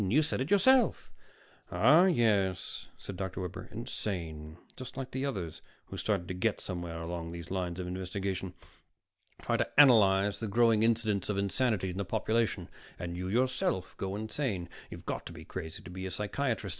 You said it yourself." "Ah, yes," said Dr. Webber. "Insane. Just like the others who started to get somewhere along those lines of investigation. Try to analyze the growing incidence of insanity in the population and you yourself go insane. You've got to be crazy to be a psychiatrist.